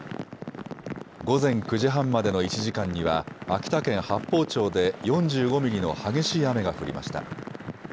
午前９時半までの１時間には秋田県八峰町で４５ミリの激しい雨が降りました。